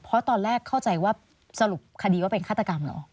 เพราะตอนแรกเข้าใจว่าสรุปคดีว่าเป็นฆาตกรรมเหรอ